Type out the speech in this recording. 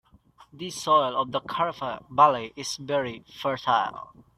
The soil of the Caripe Valley is very fertile.